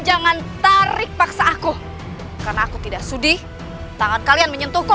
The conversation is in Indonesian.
jangan tarik paksa aku karena aku tidak sedih tangan kalian menyentuhku